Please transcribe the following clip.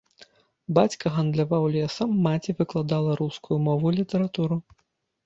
Бацька гандляваў лесам, маці выкладала рускую мову і літаратуру.